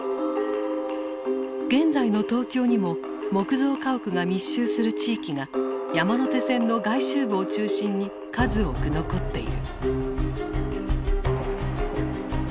現在の東京にも木造家屋が密集する地域が山手線の外周部を中心に数多く残っている。